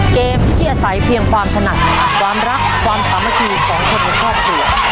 เกมที่อาศัยเพียงความถนัดความรักความสามัคคีของคนในครอบครัว